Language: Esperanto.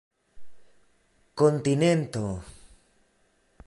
kontinento